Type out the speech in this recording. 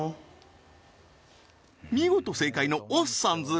見事正解のおっさんず